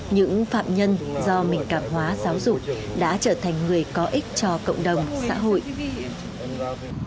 những phạm nhân do mình cảm hóa giáo dục đã trở thành người có ích cho cộng đồng xã hội